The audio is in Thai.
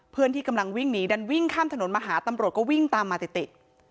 เพื่อนที่กำลังวิ่งหนีดันวิ่งข้ามถนนมาหาตำรวจก็วิ่งตามมาติด